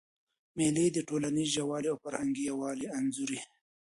مېلې د ټولنیز یووالي او فرهنګي یووالي انځور يي.